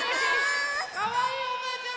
かわいいおばあちゃん